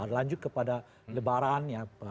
lanjut kepada lebaran ya